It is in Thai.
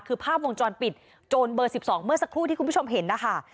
คือภาพวงจรปิดโจรเบอร์๑๒เมื่อสักครู่ที่คุณผู้ชมเห็นนะคะ